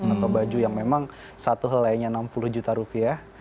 atau baju yang memang satu helainya enam puluh juta rupiah